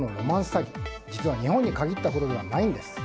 詐欺実は日本に限ったことではないんです。